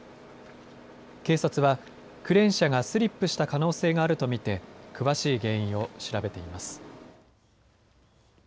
警察は、クレーン車がスリップした可能性があると見て詳しい原因を調べています。